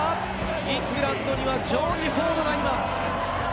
イングランドにはジョージ・フォードがいます。